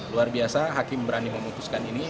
luar biasa hakim berani memutuskan ini